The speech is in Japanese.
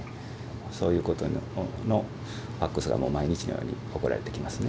そういうファックスがもう毎日のように送られてきますね。